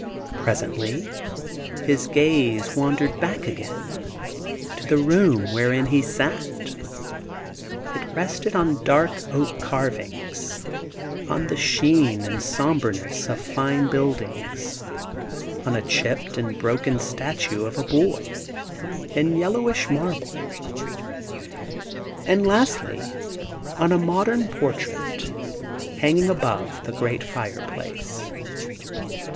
Presently his gaze wandered back again to the room wherein he sat. It rested on dark oak carvings; on the sheen and sombreness of fine bindings ; on a chipped and broken statue of a boy, in yellowish marble; and, lastly, on a modem portrait hanging above the great fireplace.